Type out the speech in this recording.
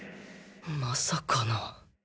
まさかな